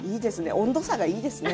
温度差がいいですね。